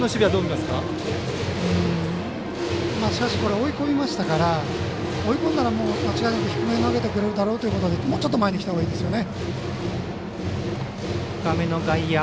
追い込みましたから追い込んだら間違いなく低めに投げてくれるだろうということでもうちょっと前に来たほうがいいですね。